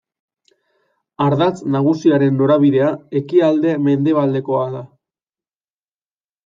Ardatz nagusiaren norabidea ekialde-mendebaldekoa da.